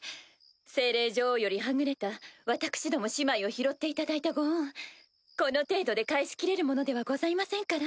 精霊女王よりはぐれた私ども姉妹を拾っていただいたご恩この程度で返しきれるものではございませんから。